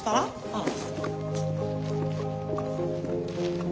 ああ。